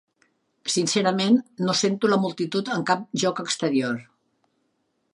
Sincerament, no sento la multitud en cap joc exterior.